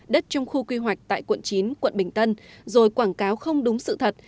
đất trong khu quy hoạch tại quận chín quận bình tân rồi quảng cáo không đúng sự thật